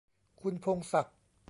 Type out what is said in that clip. คุณพงษ์ศักดิ์